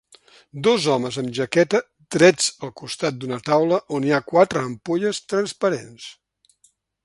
Dos homes amb jaqueta drets al costat d'una taula on hi ha quatre ampolles transparents.